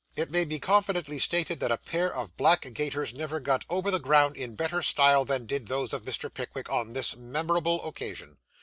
It may be confidently stated that a pair of black gaiters never got over the ground in better style than did those of Mr. Pickwick on this memorable occasion.